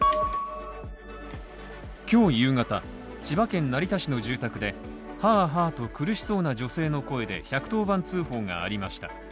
今日夕方、千葉県成田市の住宅ではあはあと苦しそうな女性の声で１１０番通報がありました。